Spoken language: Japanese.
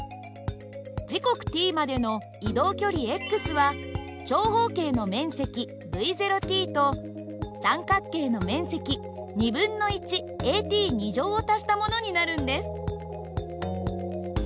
時刻ｔまでの移動距離は長方形の面積υｔと三角形の面積ａｔを足したものになるんです。